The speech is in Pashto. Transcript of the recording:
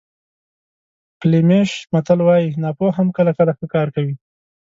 فلیمیش متل وایي ناپوه هم کله کله ښه کار کوي.